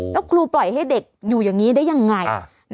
แล้วครูปล่อยให้เด็กอยู่อย่างนี้ได้ยังไง